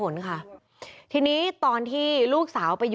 ล็อค